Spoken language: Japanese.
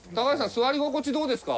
座り心地どうですか？